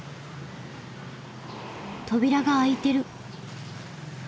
扉が開いてる。